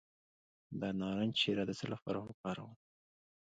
د نارنج شیره د څه لپاره وکاروم؟